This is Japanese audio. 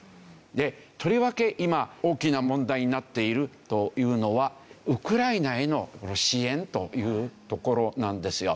でとりわけ今大きな問題になっているというのはウクライナへの支援というところなんですよ。